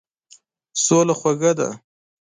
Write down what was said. سوله خوږه ده.